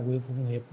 quyền phụng hiệp